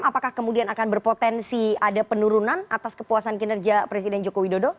apakah kemudian akan berpotensi ada penurunan atas kepuasan kinerja presiden joko widodo